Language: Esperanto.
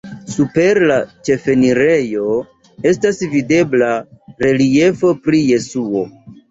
Super la ĉefenirejo estas videbla reliefo pri Jesuo.